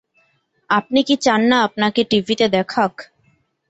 আপনি কি চান না আপনাকে টিভিতে দেখাক?